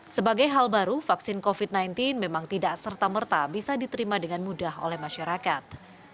sebagai hal baru vaksin covid sembilan belas memang tidak serta merta bisa diterima dengan mudah oleh masyarakat